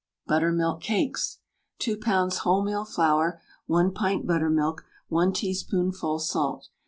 BUTTERMILK CAKES. 2 lbs. wholemeal flour, 1 pint buttermilk, 1 teaspoonful salt.